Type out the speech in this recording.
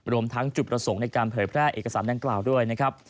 รวมทั้งจุดประสงค์ในการเผยแพร่เอกสารดังกล่าวด้วยนะครับ